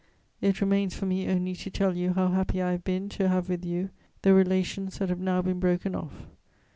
It remains for me only to tell you how happy I have been to have with you the relations that have now been broken off.